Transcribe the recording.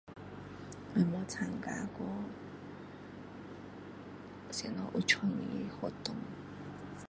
我没有参加过有什么创意的活动